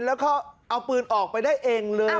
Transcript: แล้วก็เอาปืนออกไปได้เองเลย